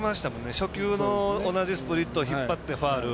初球の同じスプリット引っ張ってファウル。